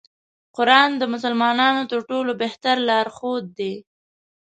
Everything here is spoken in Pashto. قرآن د مسلمانانو تر ټولو بهتر لار ښود دی.